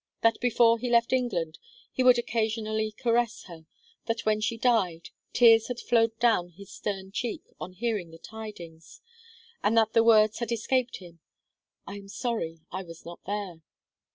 That before he left England, he would occasionally caress her; that when she died, tears had flowed down his stern cheek on hearing the tidings, and that the words had escaped him: "I am sorry I was not there."